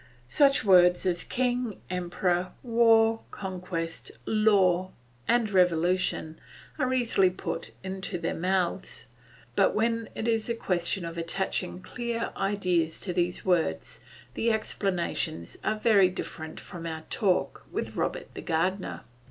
Such words as king, emperor, war, conquest, law, and revolution are easily put into their mouths; but when it is a question of attaching clear ideas to these words the explanations are very different from our talk with Robert the gardener.